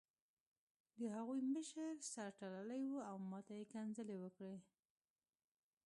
د هغوی مشر سر تړلی و او ماته یې کنځلې وکړې